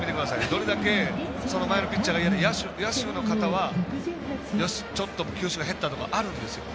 どれだけその前のピッチャーが野手の方は、よし、ちょっと球種が減ったとかあるんですよ。